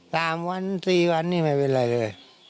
สามวันสี่วันนี้ไม่เป็นไรเลย